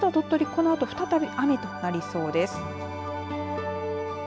このあと再び雨となりそうです。